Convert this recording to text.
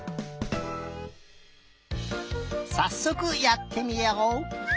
さっそくやってみよう！